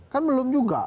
kan belum juga